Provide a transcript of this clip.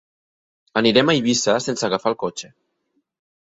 Anirem a Eivissa sense agafar el cotxe.